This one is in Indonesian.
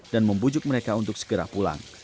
membujuk mereka untuk segera pulang